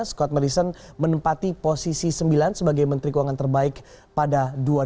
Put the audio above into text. scott merison menempati posisi sembilan sebagai menteri keuangan terbaik pada dua ribu enam belas